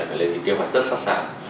phải lên kế hoạch rất sẵn sàng